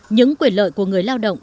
những quyền lợi của người lao động